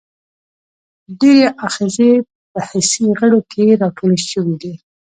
ډیری آخذې په حسي غړو کې راټولې شوي دي.